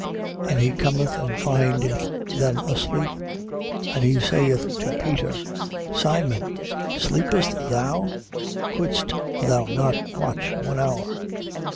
14:37. And he cometh and findeth them sleeping. And he saith to Peter: Simon, sleepest thou? Couldst thou not watch one hour?